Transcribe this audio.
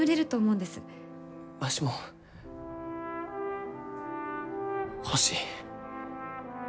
わしも欲しい。